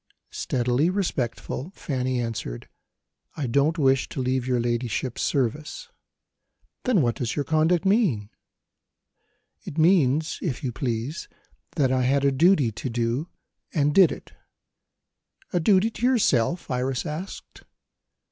Steadily respectful, Fanny answered: "I don't wish to leave your ladyship's service." "Then what does your conduct mean?" "It means, if you please, that I had a duty to do and did it." "A duty to yourself?" Iris asked.